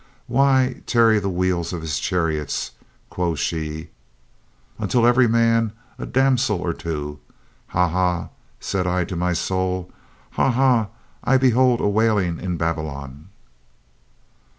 Why tarry the wheels of his chariots, quo' she. Unto every man a damsel or two. 'Ha, ha,' said I to my soul, 'ha, ha.' I behold a wailing in Babylon."